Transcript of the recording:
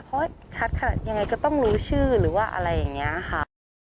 เพราะชัดค่ะยังไงก็ต้องรู้ชื่อหรือว่าอะไรอย่างนี้ค่ะ